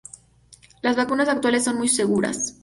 Las vacunas actuales son muy seguras.